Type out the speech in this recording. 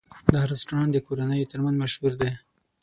دا رستورانت د کورنیو تر منځ مشهور دی.